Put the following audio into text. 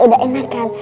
udah enak kan